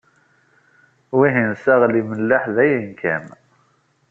Wihin saɣel imelleḥ dayen kan.